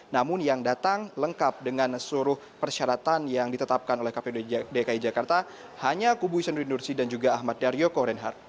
namun yang datang lengkap dengan seluruh persyaratan yang ditetapkan oleh kpu dki jakarta hanya kubu isanuddin nursi dan juga ahmad daryoko reinhardt